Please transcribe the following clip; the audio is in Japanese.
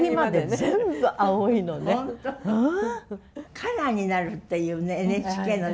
カラーになるっていうねＮＨＫのね。